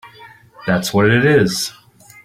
That’s what it is!